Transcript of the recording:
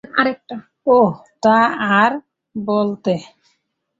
ওহ, তা আর বলতে।